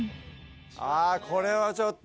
これはちょっと。